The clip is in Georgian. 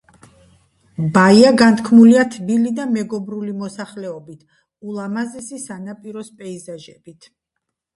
ბაია განთქმულია თბილი და მეგობრული მოსახლეობით, ულამაზესი სანაპიროს პეიზაჟებით.